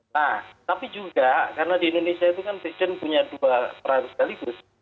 nah tapi juga karena di indonesia itu kan presiden punya dua peran sekaligus